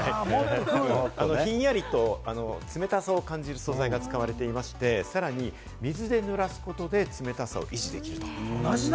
ひんやりと冷たさを感じる素材が使われていまして、さらに水で濡らすことで、冷たさを維持できると。